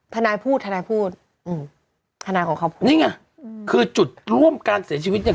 ทนายพูดทนายพูดอืมทนายของเขาพูดนี่ไงอืมคือจุดร่วมการเสียชีวิตเนี่ย